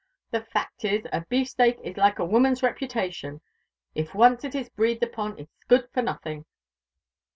The fact is, a beef steak is like a woman's reputation, if once it is breathed upon it's good for nothing!"